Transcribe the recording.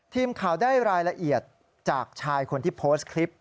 ทีมข่าวได้รายละเอียดจากชายคนที่โพสต์คลิป